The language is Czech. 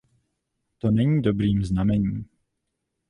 To není dobrým znamením.